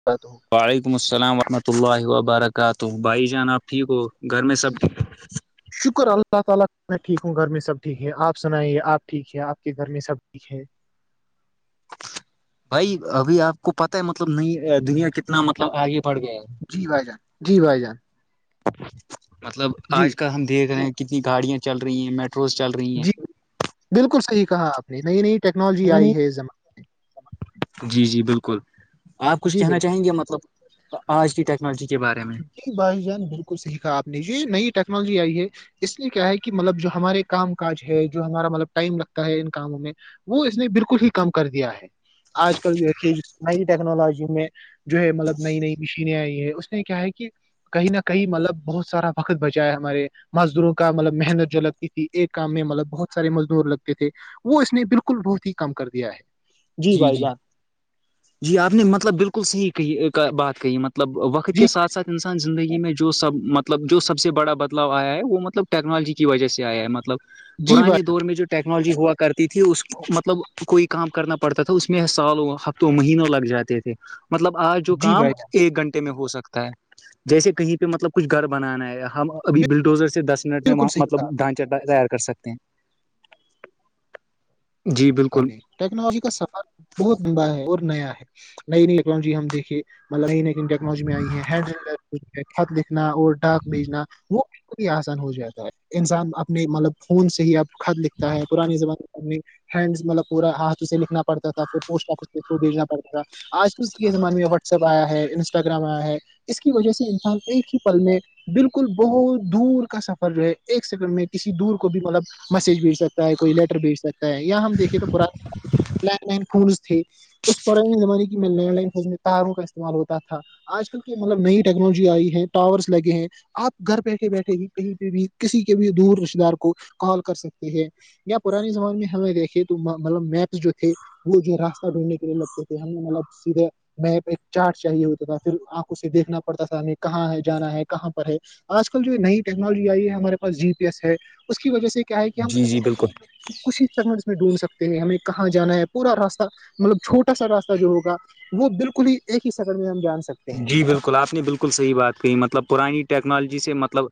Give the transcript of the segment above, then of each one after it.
[inaudible] وعلیکم السلام ورحمتہ وبرکاتہ بھائی جان اپ ٹھیک ہو گھر میں سب ٹھیک [inaudible] شکر ہے اللہ تعالی میں ٹھیک ہوگا اپ سنائیں گے اپ ٹھیک ہیں اپ کے گھر میں سب جی ٹھیک ہے [unintelligible] بھائی ابھی آپ کو پتا ہے مطلب ن دنیا کتنا مطلب آگے بڑھ گیا ہے جی بھائی جان جی بھائی جان مطلب جی آج کل ہم دیکھ رہے ہیں کتنی گاڑیاں چل رہی ہیں میٹروز چل رہی جی ہیں بالکل صحیح کہا آپ نے نئی نئی ٹیکنالوجی آئی ہے اس زمان جی جی بالکل آپ کچھ جی بالکل کہنا چاہیں گے مطلب آج کی ٹیکنالوجی کے بارے میں جی بھحائی جان بالکل سییکھا آپ نے جی نئی ٹیکنالوجی آئی ہے اس لیے کیا ہے کہ مطلب جو ہمارے کام کاج ہے جو ہمارا مطلب ٹائم لگتا ہے ان کاموں میں وہ اس نے بالکل ہی کم کر دیا ہے آج کل دیکھیے نئی ٹیکنالوجی میں جو ہے مطلب نئی نئی مشینیں آئی ہیں اس نے کیا ہے کہ کہیں نہ کہیں مطلب بہت سارا وقت بچا ہے ہمارے مزدوروں کا مطلب محنت جو لگتی تھی ایک کام میں مطلب بہت سارے مزدور لگتے تھے وہ اس نے بالکل بہت ہی کم کر دیا ہے جی بھائی جی جان جی آپ نے مطلب بالکل صحیح کہی بات کہی مطب مطلب وقت جی کے ساتھ ساتھ انسان زندگی میں جو سب مطلب جو سب سے بڑا بدلاؤ آیا ہے وہ مطلب ٹیکنالوجی کی وجہ سے آیا ہے مطلب جی پرانے بھائی دور میں جو ٹیکنالوجی ہوا کرتی تھی اس مطلب کوئی کام کرنا پڑ پڑتا تھا اس میں سالوں ہفتوں مہینوں لگ جاتے تھے مطلب آج جو جی کام بھائی جان ایک گھنٹے میں ہو سکتا جیسے کہیں پہ مطلب کچھ گھر بنانا ہے ہم ابھی بلڈوزر سے دس منٹ میں بالکل صحیح مطلب کہا آپ نے دھان چا تیار کر سکتے ہیں جی بالکل میں ٹیکنالوجی کا سفر بہت لمبا ہے اور نیا ہے نئی نئی ٹیکنالوجی ہم دیکھے مطلب نئی نئی نئی ٹیکنالوجی میں آئی ہے ہینڈ خط لکھنا اور ڈاک بھیجنا وہ آسان ہو جاتا ہے انسان اپنے مطلب خون سے ہی اب خط لکھتا ہے پرانے زمانے میں ہینڈ مطلب پورا ہاتھ اسے لکھنا پڑتا تھا پھر پوسٹ آفس کے تھرو بھیجناڑتا تھا آج کل کے زمانے میں وسپ آیا ہے انسٹاگرام آیا ہے اس کی وجہ سے انسان ایک ہی پل میں بالکل بہت دور کا سفر رہے ایک سیکنڈ میں کسی دور کو بھی مطلب میسج بھیج سکتا ہے کوئی لیٹر بھیج سکتا ہے یا ہم دیکھے تو پرانا ل ل فونس تھے اس پرانے زمانے کی میں لینڈ لائننے تاروں کا استعمال ہوتا تھا آج کل کے مطلب نئی ٹیکنالوجی آئی ہے ٹاورس لگے ہیں آپ گھر بیٹھے بیٹھے ہی کہیں پہ بھی کسی کے بھی دور رشتے دار کو کال کر سکتے ہیں یا پرانے زمانے میں ہمیں دیکھیے تو مطلب میپس جو تھے وہ جو ہے راستہ ڈھونڈنے کے لیے لگتے تھے ہم نے مطلب سیدھے می ایک چارٹ چاہیے ہوتا تھا پھر آنکھ اس سے دیکھنا پڑتا تھا ہمیں کہاں ہے جانا ہے کہاں پر ہے آج کل جو نئی ٹیکنالوجی آئی ہے ہمارے پاس جی پی ایس ہے اس کی وجہ سے کیا ہے کہ ہم جی جی بالکل کچھ [unintelligible] سٹ میں ڈھونڈ سکتے ہیں ہمیں کہاں جانا ہے پورا راستہ مطلب چھوٹا سا راستہ جو ہوگ وہ بالکل ہی ایک ہی سکنڈ میں ہم جان سکتے ہیں جی بالکل آپ نے بالکل صحیح بات کہی مطلب پرانی ٹیکنالوجی سے مطلب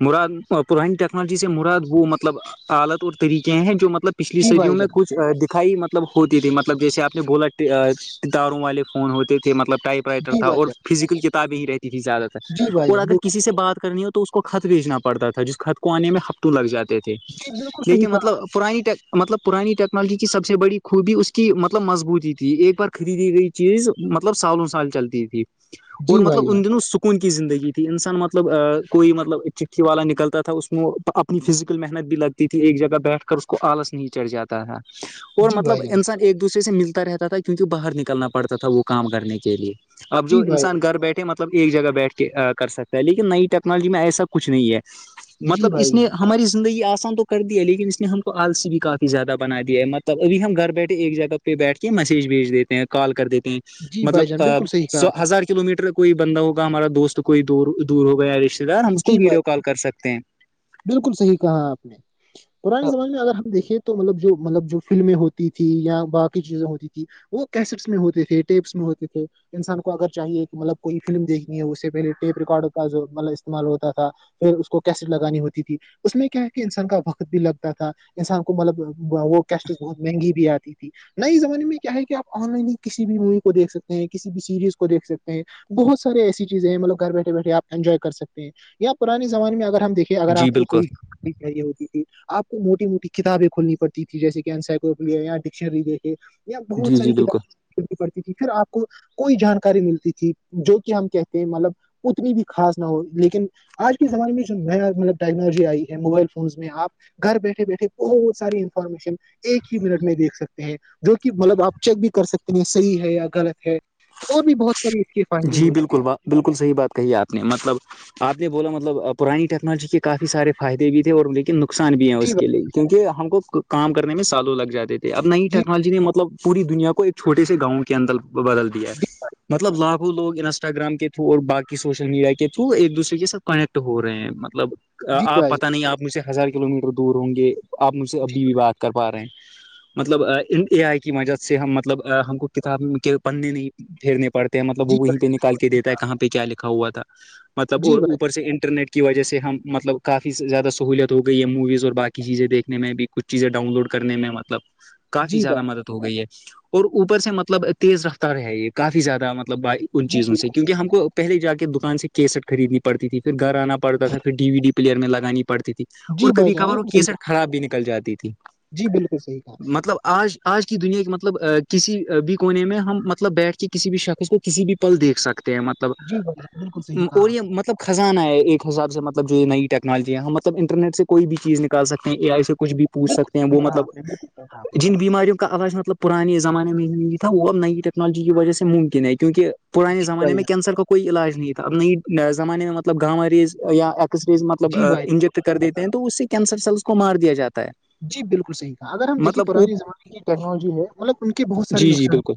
مراد پرانی ٹیکنالوجی سے مراد وہ مطلب عالت اور طریقے ہیں جو مطلب پچھلی جی سدیوں بھائی میں جان کچھ دکھائی مطلب مطلب ہوتی تھی مطلب جیسے آپ نے بولا تاروں والے فون ہوتے تھے مطلب ٹائپ رائٹر جی بھائی اور جان فیزیکل کتابیں ہی رہتی تھی زیادہ تر جی بھائی اور جان اگر کسی بالکل سے بات کرنی ہو تو اس کو خط بیچنا پڑتا تھا جس خط کو آنے میں ہفتو لگ جاتے تھے جی بالکل صحیح لیکن کہا مطلب پرانی ٹیک مطلب پرانی ٹیکنالوجی کی سب سے بڑی خوبی اس کی مطلب مضبوطی تھی ایک بار خریدی گئی چیز مطلب سالوں سال چلتی تھی اور جی بھائی مطلب جان ان دنوں س کون کی زندگی تھی انسان مطلب کوئی مطلب چٹھی والا نکلتا تھا اس میں اپنی فزیکل محنت بھی لگتی تھی ایک جگہ بیٹھ کر اس کو آلس نہیں چڑھ جاتا تھا اور جی مطلب بھائی جان انسان ایک دوسرے سے ملتا رہتا تھا کیونکہ باہر نکلنا پڑتا تھا وہ کام کرنے کے لیے اب جو جی بھائی انسان جان گھر بیٹھے مطلب ایک جگہ بیٹھ کے کر سکتا ہے لیکن نئی ٹیکنالوجی میں ایسا کچھ نہیں ہے جی مطلب بھائی اس نے جان ہماری زندگی آسان تو کر دی ہے لیکن اس نے ہم کو آلسی بھی کافی زیادہ بنا دیا ہے مطلب ابھی ہم گھر بیٹھے ایک جگہ پہ بیٹھ کے مسج بھیج دیتے ہیں کال کر دیتے ہیں جی بھائی جان بالکل صحیح کہا سو آپ ہزار کلو میٹر کوئی بندہ ہوگا ہمارا دوست کوئی د دور ہو گیا رش دھر ہم نے اس کو جی بھائی ویڈیو کال کر سکتے ہیں بالکل صحیح کہا آپ نے پرانے زمانے میں اگر ہم دیکھیں تو مطلب جو مطلب جو فلمیں ہوتی تھی یا باقی چیزیں ہوتی تھی وہ کیسٹس میں ہوتے تھے ٹیپس میں ہوتے تھے انسان کو اگر چاہیے کہ مطلب کوئی فلم دیکھنی ہے اس سے پہلے ٹیپ ریکارڈ کا جو مطلب استعمال ہوتا تھا پھر اس کو کیسٹ لگانی ہوتی تھی اس میں کیا ہے کہ انسان کا وقت بھی لگتا تھا انسان کو مطلب وہ کیسٹز بہت مہنگی بھی آتی نئے زمانے میں کیا ہے کہ آپ آن لائن ہی کسی بھی مووی کو دیکھ سکتے ہیں کسی بھی سیریز کو دیکھ سکتے ہیں بہت سے ایسی چیزیں ہیں مطلگ گھر بیٹھے بیٹھےپ انجوائے کر سکتے ہیں یا پران زمے میں اگر ہم دیکھے اگر جی آپ کو بالکل کوئی چاہیے ہوتی تھی آپ کو موٹی موٹی کتابیں کھولنی پڑتی تھی جیسے کہ س یا ڈکشنری دیکھے بہت جی ساری جی بالکل کیتا پڑتی تھی پھر آپ کوئی جانکاری ملتی تھی جو کہ ہم کہتے ہیں مطلب اتنی بھی خاص نہ ہو لیکن آج کے زمانے میں جو نیا مطلب ٹیکنالوجی آئی ہے موبائل فونس میں آپ گھر بیٹھے بیٹھے بہت ساری انفارمیشن ایک ہی منٹ میں دیکھ سکتے ہیں جو کہ مطلب آپ چیک بھی کر سکتے ہیں صحیح ہے یا غلط ہے اور بھی بہت ساری اس کے فائدے جی ہو چکے بالکل ہیں با بالکل صحی بات کہی ہے آپ نے مطلب آپ نے بولا مطلب پرانی ٹیکنالوجی کے کافی سارے فائد بھی تھے اور لیکن نقصان بھی ہے جی اس کے بھائی لیے کیونکہ ہم کو کام کرنے میں سالوں لگ جاتے تھے اب نئی جی ٹیکنالوجی نے مطلب پوری دنیا کو ایک چھوٹے سے گاؤں کے اندر بدل دیا ہے مطلب لابھ وہ لوگ انسٹا گرام کے تھرو اور باقی سوشل میڈیا کے تھرو ایک دوسرے کے ساتھ کنیکٹ ہو رہے ہیں مطلب جی آپ بھائی پتہ نہیں آپ مجھ سے ہزار کلو میٹر دور ہوں گے آپ مجھ سے جی ابھی بھی بات کر پا رہے ہیں مطلب اے آئی کی مدد سے ہم مطلب ہم کو کتاب کے پنے نہیں پھیرنے پڑتے بھائی مطلب وہ جی وہیں پہ بھائی نکال کے دیتا ہے کہاں پہ کیا لکھا ہوا تھا مطلب اور جی بھائی اوپ سے انٹرنیٹ کی وجہ سے ہم مطلب کافی زیادہ سہوولت ہو گئی ہے موویز اور باقی چیزیں دیکھنے میں بھی کچھ چیزیں ڈاؤن لوڈ کرنے میں مطلب کافی جی بھائی زیادہ مدد ہو گئی ہے اور اوپر سے مطلب تیز رفتار رہ ہے یہ کافی زیادہ مطلب ب ان جی چیزوں سے بالکل کیونکہ صحیح ہم کو پہلے جا کے دکان سے کیسٹ خریدنی پڑتی تھی پھر گھر آنا پڑتا تھا پھر ڈی وی ڈی پلیئر میں لگانی پڑتی تھی کہا اور جی بھائی کبھی جان کبھار وہ بالکل صحیح کیسر کہا خراب بھی نکل جاتی تھی جی بالکل صحیح کہ مطلب آج آج کی دنیا کے مطلب کسی بھی کونے میں ہم مطلب بیٹھ کے کسی بھی شخص کو کسی بھی پل دیکھ سکتے ہیں مطلب جی بھائی جان بالکل صحیح کہا اور یہ آپ نے مطلب خزانہ ہے ایک حساب سے مطلب جو یہ نئی ٹیکنالوجی ہے ہم مطلب انٹرنیٹ سے کوئی بھی چیز نکال سکتے ہیں اے آئی سے کچھ بھی پوچھ بالکل سکتے ہیں صحیح وہ کہا مطلب آپ نے بالکل صحیح کہا آپ نے جن بیماریوں آازج مطل پرانے زمانے میں یہ تھا وہ نئی یکالجی کی وجہ ممکن ہے کیونکہ پرانے جی زمانے بھائی میں جان کینسر کو کوئی علاج نہیںی تھاب نئی زمانے میں مطلب گا ریزیا اکس رز مطلب جی بھائی جان انج بالکل کر صحیح کہا۔ دیتے ہیں تو اس سے کینسر سلس کو مار دیا جاتا ہے جی بالکل صحیح تھا اگر ہم دیکے مطلب وہ پرانے زمانے کی ٹیکنالوجی ہے مطلب ان کے بہت سارے جی جی نقصان بالکل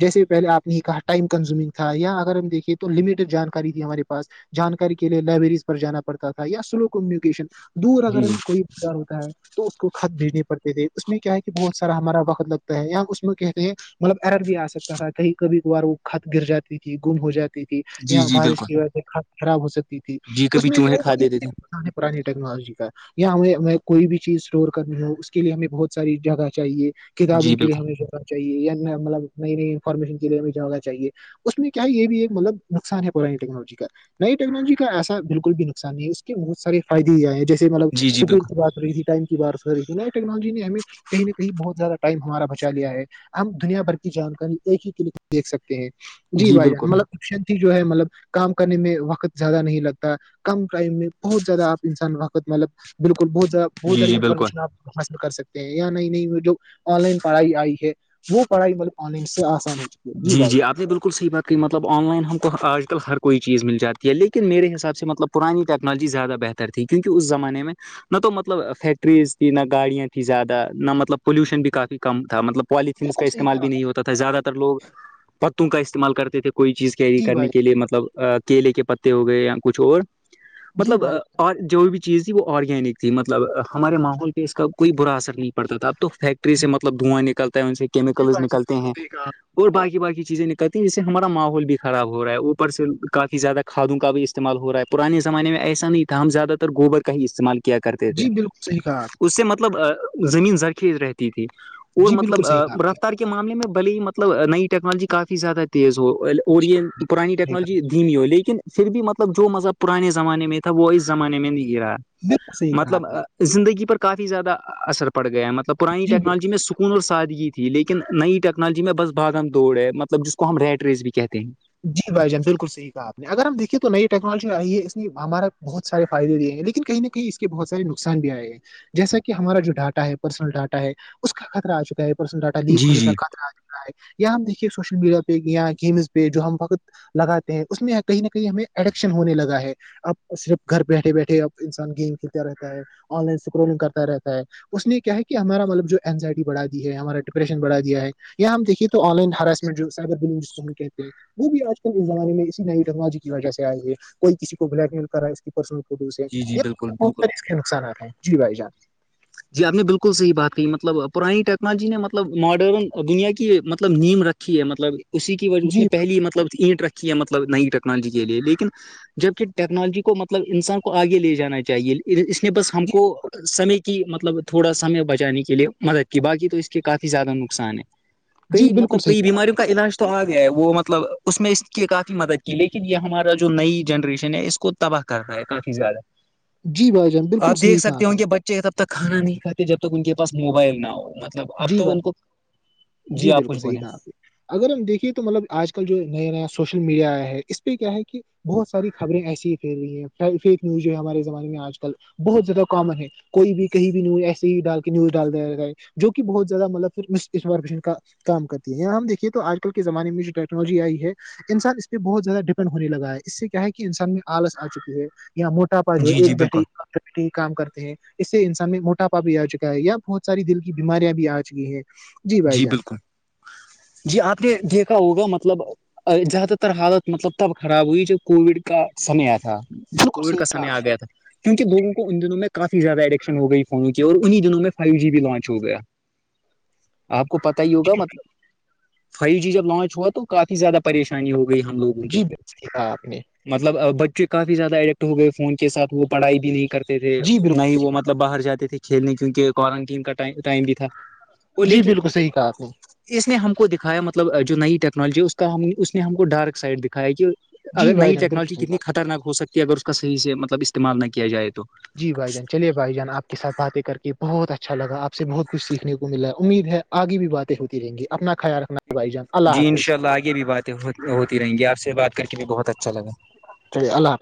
جیسے پہل آپ نے یہ کہا ٹائم کنزیومنگ تھا یا اگر ہم دیکھے تو لمیٹڈ جانکاری دیھی ہمارے پاس جانکاری کے لیے لائبریریز پر جانا پڑتا تھا یا سلوک کمیونکیشن دور جی اگر جی کوئیار ہوتا ہے تو اس کو خط بھیجنے پڑتے تھے اس میں کیا ہے کہ بہت سارا ہمارا وقت لگتا ہے یا ہم اس میں کہتے ہیں مطلب ار بھی آ سکتا تھا کہیں کبھی کبھار وہ خط گر جاتی تھی گم ہو جاتی تھی جی یہاں جی بارش بالکل کی وجہ سے ک خراب ہو سکتی تھی جی اس کبھی میں چوہے کھا دیتے تھے پرانی ٹیکنالوجی کا یا ہمیں کوئی بھی چیز اسٹور کرنی ہو اس کے لیے ہمیں بہت ساری جگہ چاہیے کتابوں جی کے لیے بالکل ہمیں ہو چاہے یا مطلب نئی نئی انفارمیشن کے لیے م ہونا چاہیے اس میں کیا ہے یہ بھی ایک مطلب نقصان ہے پرانی ٹیکنالوجی کا نئی ٹیکنالوجی کا ایسا بالکل بھی نقص نہیں ہے اس کے بہت سارے فائدے ہی آئے جیسے مطلب جی جی بالکل سبھیر بادریی ٹائم بار ہو رہی ٹیکنالوجی نے ہمیں کہیں نہ کہیں بہت زیادہ ٹم ہمارا بچا لیا ہے ہم دنیا بھر کی جانکاری ایک ہی کے لیے دیکھ سکتے ہیں جی بھائی جان مطلب شن جو ہے مطلب کام کرنے میں وقت زیادہ نہیں لگتا کم کرائم میں بہت زیاد آپ انسان وقت مطلب بالکل بہت زیادہ بہت جی ساری جی بالکل حال کر سکتے ہیں یا نئی نئی جو آن لائن پڑھائی آئی ہے وہ پڑھائی مطلب آن لائن سے آسان ہو چک ہے جی بھائی جی جان آپ نے بالکل صح بات کہ مطلب آن لائن ہم کو آج کل ہر کوئی چیز مل جاتی ہے لیکن میرے حساب سے مطلب پرانی ٹیکنالوجی زیادہ بہتر تھی کیونکہ اس زمانے میں نہ تو مطلب فیکٹریز تھی نہ گاڑیاں تھیں زیادہ نہ مطلب پولوشن بھی کافی کم تھا مطلب پوالتھینس کا بالکل صحیح استعمال کہا بھی نہیں ہوتا تھا زیادہ تر لوگ پتوں کا استعمال کرتے تھے کوئی چیز کیری جی کرنے بھائی کے لیے مطلب کیلے کے پتے ہو گئے یا کچھ اور جی مطلب بھائی اور جو بھی چیز تھی وہ آرگینک تھی مطلب ہمارے ماحول پہ اس کا کوئی برا اثر نہیں پڑتا تھا اب تو فیک فٹری سے مطلب دھواں نکلتا ہے ان سے جی کیمیکلز بھائی جان نکلتے بالکل ہیں صحیح کہا اور باقی بای چیزیں نکلتی جس سے ہمارا ماحول بھی خراب ہو رہا ہے اوپر سے کافی زیادہ کھادوں کا بھی استعمال ہو رہا ہے پرانے زمانے میں ایسا نہیں تھا ہم زیاہ تر گوبر کا ہی استعمال کیا کرتے تھے جی بالکل صحیح کہا آپ اس سے مطلب زمین زرخیز رہتی تھی اور جی بالکل مطلب صحیح کہا آپ نے رفتار کی معاملے میں بل مطلب نئی ٹیکنالوجی کافی زیادہ تیز ہو اور یہ پرانی ٹیکنالوجی ہو لیکن پھر بھی مطلب جو مذہب پرانے زمانے میں وہ اس زمانے میں نہیں گ رہا بالکل صحیح کہا مطلب آپ نے جی زندگی پر کافی زیادہ اثر پڑ گیا مطلب پرانی بالکل ٹیکنالوجی میں کن اور سادگی تھی لیکن نئی ٹیکنالوجی میں بس باغم دوڑ ہے مطلب جس کو ہم ریٹریز بھی کہتے ہیں جی بائی جان بالکلح آپ نے اگر ہم دیکے تو ن ٹیکنالجی آئی ہے اسے ہمارا بہت سارے فائدے دیےیں گے لیکن کہ نہ کہیں اس کے بہت سارے نقصان بھی آئے ہیں جیسا کہ ہمارا جو ڈاٹا ہے پرسنل ڈاٹا ہے اس کا خطرہ آ چکا ہے سن ڈاٹا جی لیکنے جی کا قدر آکا ہے یا ہم دیکھیے سوشل میڈیا پہ یا گیمز پہ جو ہم وقت لگاتے ہیں اس میں کہیں نہ کہیں ہمیں ایڈکشن ہونے لگا ہے اب صرف گھر بیٹھے بیٹھے اب انسان گیم کھیلتا رہتا ہے آن لائن اسکرولنگ کرتا رہتا ہے اس نے کیا ہے کہ ہمارا مطلب جو انینزائٹی بڑھا دی ہے ہمارا ڈپریشن بڑا دیا ہے اں ہمیکھیے تو آن لائن ہرسمنٹ جو سبر ب ہم کہتے وہ بھی آج کل کے زمانے میں اسی نئی ٹیکنالوجی کی وجہ سے آئی ہے کوئی کسی کو بلیک میل کرا اس کی وس ہے یہ بہت کے نقصانات ہیں جی بھائی جان جی آپ نے بالکل صحیح بات کی مطلب پرانی ٹیکنالوجی نے مطلب ماڈرن دنیا کی مطلب نیم رکھ ہے مطلب اسی کی وجہ اس جی نے پہلی مطلب اینٹ رکھی ہے مطلب نئی ٹیکنالوجی کے لیے لیکن جبک ٹیکنالوجی کو مطلب انسان کو آگے لے جانا چاہیے اس نے بس ہم جی کو سمے کہ مطلب تھوڑا سمے بچانے کے لیے مدد کی بای تو اس کے کافی زیادہ نقصان ہے جی کئی بالکل مطلب صحیح کئی کہا آپ بیماریوں کا نے علاج تو آ گیا ہے وہ مطلب اس میں اس کی کافی مدد کی لیکن یہ ہمارا جو نئی جنریشن ہے اس کو تو تباہ کرنا ہے کافی زیادہ جی بھائی جان بالکل صحیح کہاں آپ نے چ تب تک کھا نہیں کاتے جب تک ان کے پاس موبائل نہ ہو ا اپ جی تو ان بھائی کو جی آپ بالکل کچھ صحیح بولیں کہا آپ نے اگر ہم دیکھیے تو مطلب آج کل جو نیا نیا سوشل میڈیا آیا ہے اس پہ کیا ہے کہ بہت ساری خبریں ایسی ہی پھیل رہی ہیں فیک نیوز جو ہے ہمارے زمانے میں آج کل بہت زیادہ کامن ہے کوئی بھی کہیں بھی نی ایسے ہی ڈال کے نیوز ڈال دیا ج ہے جو کہ بہت زیادہ مطلبار کا کام کرتی ہےاں ہم دیکھیے تو آج کل کے زمانے میں جو ٹیکنالوجی آئی ہے انسان اس پہ بہت زیادہ ڈپینڈ ہونے لگا ہے اس سے کیا ہے کہ انسان میں آلس آ چکی ہے یا موٹا پا جو جی جی ایک بالکل بیٹھے کام کرتے ہیں اس سے انسان میں موٹاپا بھی آ چکا ہے یا بہت ساری دل بیماریاں بھی آجکی ہیں جی بالکل ہ [inaudible] جی آپ نے دیکھا ہوگا مطلب زیادہ تر حالت مطلب تب خراب ہوئی جو کووڈ کا سمے تھا بالکل کووڈ صحیح کا کہا سمے آ گیا تھا کیونہ لووں کو ان دنوں میں کافی زیادہڈکشن ہو گئی فونوں کی اور انہیں دنوں میں فائیو جی بھی لانچ ہو گیا آپ کو پتا ہی ہوگا مطلب فائیو جی جب لانچ ہوا تو کافی زیادہ پریشانی ہو گئی ہم لوگ جی بی تھا آپ نے مطلب بچے کافی زیادہ اڈکٹ ہو گئے فون کے ساتھ وہ پڑھائی بھی نہیں کرتے تھے جی نہ ہی بالکل وہ مل باہر جاتے تھے کھیلنے کیونکہ کوارنٹین کا ٹائم بھی تھا وہ جی لیکن بالکل صحیح کہا آپ نے اس نے ہم کو دکھایا مطلب جو نئی ٹیکنالوجی اس کا ہم اس نے ہم کو ڈارک سائڈ دکھایا کہ اگر جی بھائی نئی جان بالکل ٹیکنالوجی صحیح کتنی کہا خطرناک ہو سکتی ہے اگر اس کا صحیح سے مطلب استعمال نہ کیا جائے تو جی بھائی جان چلیے بھائی جان آپ کے سات باتیں کر کے بہت اچھا لگ آپ سے بہت کچھیکھنے کو ملا ہے امید ہے آگے بھی باتیں ہوتی رہیں گی اپنا خیال رکھنا بھائی جان اللہ جی حافظ انشاء اللہ آگے بھی باتیں ہوتی رہیں گی آپ سے بات کر کے بھی بہت اچھا لگا چی اللہ حافظ